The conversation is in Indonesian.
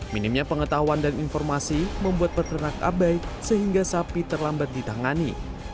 minimnya pengetahuan dan informasi membuat peternak abai sehingga sapi terlambat ditangani